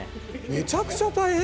めちゃくちゃ大変。